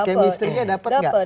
kemistrinya dapat nggak